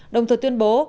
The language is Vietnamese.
đồng thời tuyên bố